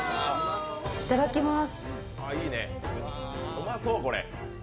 いただきます。